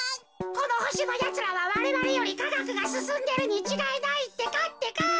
このほしのやつらはわれわれよりかがくがすすんでるにちがいないってかってか。